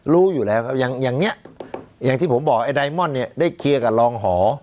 รู้อยู่แล้วครับอย่างอย่างนี้อย่างที่ผมบอกไอ้ไดมอนดเนี่ยได้เคลียร์กับรองหอ